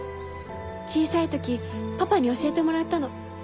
小さい時パパに教えてもらったの。